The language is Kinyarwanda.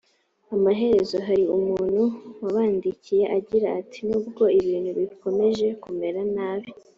amaherezo hari umuntu wabandikiye agira ati nubwo ibintu bikomeje kumera nabi